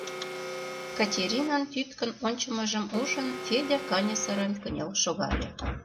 — Катеринан тӱткын ончымыжым ужын, Федя каньысырын кынел шогале.